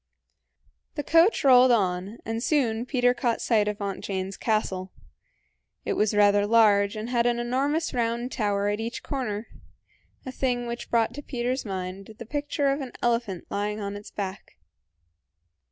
The coach rolled on, and soon Peter caught sight of Aunt Jane's castle. It was rather large, and had an enormous round tower at each corner a thing which brought to Peter's mind the picture of an elephant lying on its back.